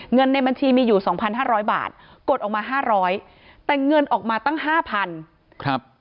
เงินในบัญชีมีอยู่๒๕๐๐บาทกดออกมา๕๐๐บาทแต่เงินออกมาตั้ง๕๐๐๐บาท